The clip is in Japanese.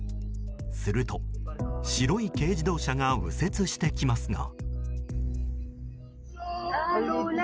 すると白い軽自動車が右折してきますが。